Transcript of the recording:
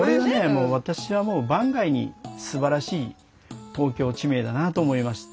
もう私は番外にすばらしい東京地名だなと思いました。